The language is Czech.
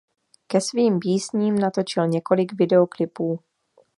Ke svým písním natočil několik videoklipů.